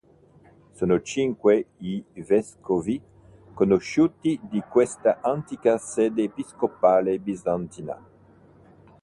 Sono cinque i vescovi conosciuti di questa antica sede episcopale bizantina.